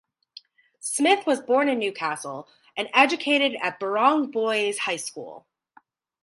Smith was born in Newcastle and educated at Birrong Boys High School.